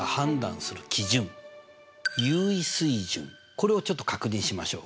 これをちょっと確認しましょう。